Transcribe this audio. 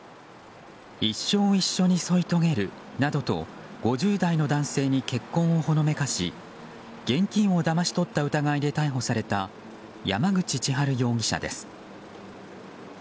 一生一緒に添い遂げるなどと５０代の男性に結婚をほのめかし、現金をだまし取った疑いで逮捕された山口千春容疑者です。